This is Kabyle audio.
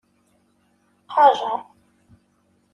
Qajjer.